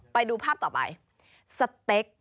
ไปดูภาพต่อไปสเต็ก